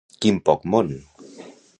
Quin poc món!